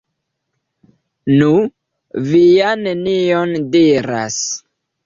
Nu, vi ja nenion diras!